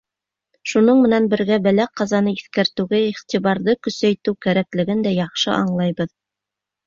Шуның менән бергә бәлә-ҡазаны иҫкәртеүгә иғтибарҙы көсәйтеү кәрәклеген дә яҡшы аңлайбыҙ.